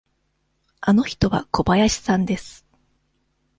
あの人は小林さんです。